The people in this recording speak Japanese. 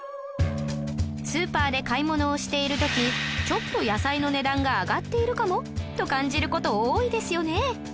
スーパーで買い物をしている時ちょっと野菜の値段が上がっているかも？と感じる事多いですよね